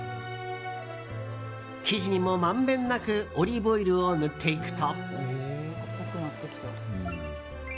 生地にも満遍なくオリーブオイルを塗っていくと。